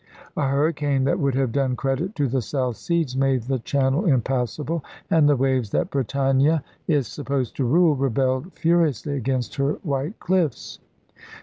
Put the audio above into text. A hurricane that would have done credit to the South Seas made the Channel impassible, and the waves that Britannia is supposed to rule rebelled furiously against her white cliffs.